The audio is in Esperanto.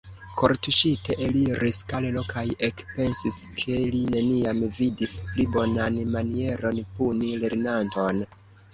Kortuŝite eliris Karlo kaj ekpensis, ke li neniam vidis pli bonan manieron puni lernanton.